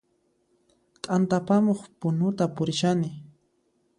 T'anta apamuq punuta purishani